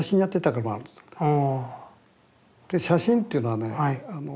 で写真っていうのはね